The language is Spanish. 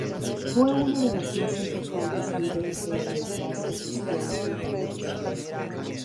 Fue uno de los más importantes líderes de la Democracia Cristiana Italiana.